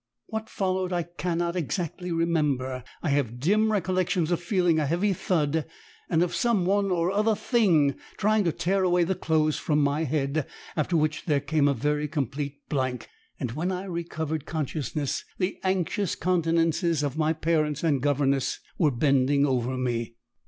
What followed I cannot exactly remember, I have dim recollections of feeling a heavy thud and of some one or some THING trying to tear away the clothes from my head, after which there came a very complete blank, and when I recovered consciousness, the anxious countenances of my parents and governess were bending over me.